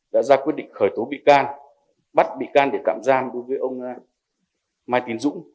đã ra quyết định khởi tố bị can bắt bị can để tạm giam đối với ông mai tiến dũng